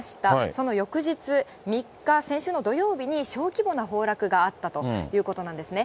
その翌日、３日、先週土曜日に小規模な崩落があったということなんですね。